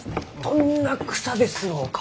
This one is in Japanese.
どんな草ですろうか？